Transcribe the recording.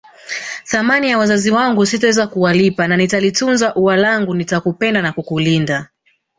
Thamani ya wazazi wangu sitoweza kuwalipa na nitalitunza ua langu nitakupenda na kukulinda